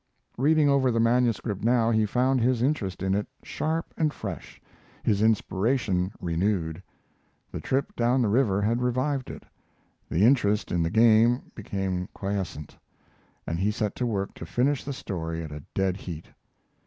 Reading over the manuscript now he found his interest in it sharp and fresh, his inspiration renewed. The trip down the river had revived it. The interest in the game became quiescent, and he set to work to finish the story at a dead heat.